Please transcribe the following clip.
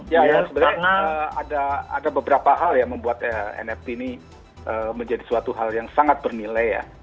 ya sebenarnya ada beberapa hal yang membuat nft ini menjadi suatu hal yang sangat bernilai ya